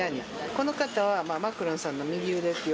この方はマクロンさんの右腕とい